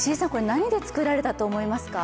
何で作られたと思いますか？